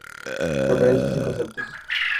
Referencias y conceptos